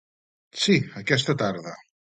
—Sí, aquesta tarda.